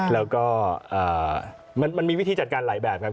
แล้วก็มันมีวิธีจัดการหลายแบบครับ